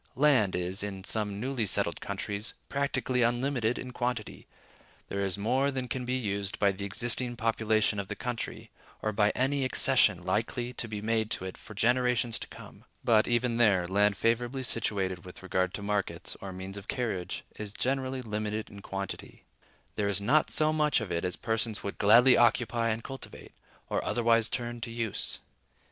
Land is, in some newly settled countries, practically unlimited in quantity: there is more than can be used by the existing population of the country, or by any accession likely to be made to it for generations to come. But, even there, land favorably situated with regard to markets, or means of carriage, is generally limited in quantity: there is not so much of it as persons would gladly occupy and cultivate, or otherwise turn to use.